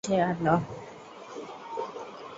কেবল একটি বেদনা মনে বাজিয়াছিল।